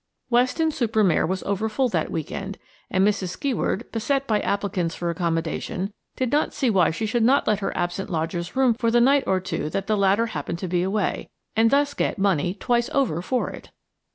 Weston super Mare was over full that week end, and Mrs. Skeward, beset by applicants for accommodation, did not see why she should not let her absent lodger's room for the night or two that the latter happened to be away, and thus get money twice over for it.